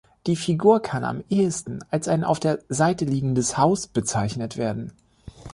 Die Figur kann am ehesten als ein auf der Seite liegendes Haus bezeichnet werden.